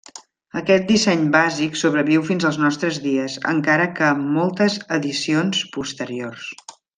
Aquest disseny bàsic sobreviu fins als nostres dies, encara que amb moltes addicions posteriors.